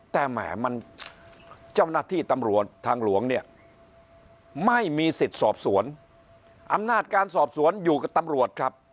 แต่แหมมันเจ้าหน้าที่ตำรวจทางหลวงเนี่ยไม่มีสิทธิ์สอบสวนอำนาจการสอบสวนอยู่กับตำรวจครับ